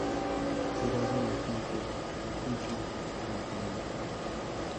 Serás mi agente en su campamento.